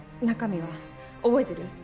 中身は覚えてる？